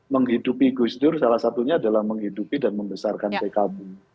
menghidupi gus dur salah satunya adalah menghidupi dan membesarkan pkb